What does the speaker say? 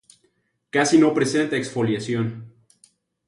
Casi no presenta exfoliación.